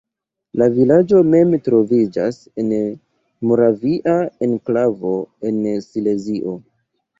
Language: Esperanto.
La vilaĝo mem troviĝas en moravia enklavo en Silezio.